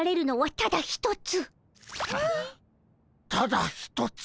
ただ一つ？